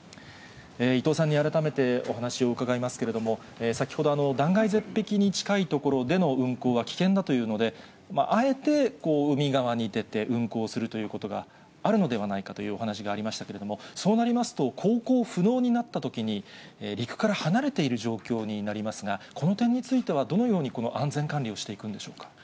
伊藤さんに改めてお話を伺いますけれども、先ほど、断崖絶壁に近い所での運航は危険だというので、あえて海側に出て運航するということがあるのではないかというお話がありましたけれども、そうなりますと、航行不能になったときに、陸から離れている状況になりますが、この点については、どのように安全管理をしていくんでしょうか。